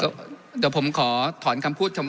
เดี๋ยวผมขอถอนคำพูดคำว่า